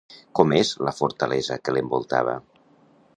Com és la fortalesa que l'envoltava?